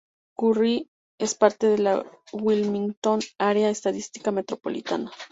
Currie es parte de la Wilmington Área Estadística Metropolitana.